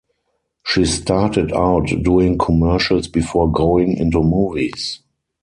She started out doing commercials before going into movies.